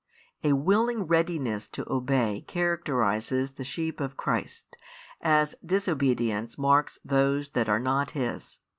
A willing readiness to obey characterises the sheep of Christ, as disobedience marks those that are not His.